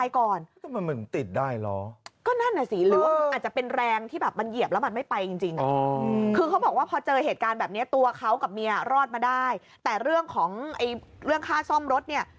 คือเขาบอกว่าพอเจอเหตุการณ์แบบนี้ตัวเขากับเมียรอดมาได้แต่เรื่องของเรื่องค่าซ่อมรถเนี่ย